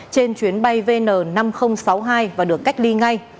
trên chuyến bay vn năm nghìn sáu mươi hai và được cách ly ngay